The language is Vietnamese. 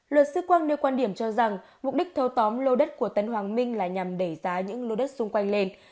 luật sư quang nêu quan điểm cho rằng mục đích thâu tóm lô đất của tân hoàng minh là nhằm đẩy giá những lô đất xung quanh lên